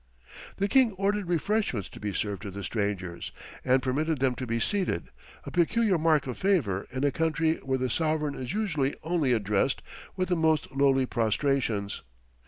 The king ordered refreshments to be served to the strangers, and permitted them to be seated, a peculiar mark of favour in a country where the sovereign is usually only addressed with the most lowly prostrations.